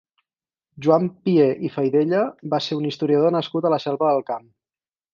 Joan Pié i Faidella va ser un historiador nascut a la Selva del Camp.